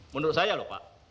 menurut saya loh pak